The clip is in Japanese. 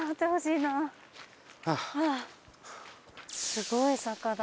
すごい坂だ。